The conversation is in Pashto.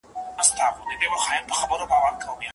د نارينه لپاره د نسب ثبوت څنګه دی؟